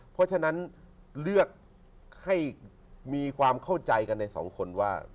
เพราะฉะนั้นเลือกให้มีความเข้าใจกันในสองคนว่า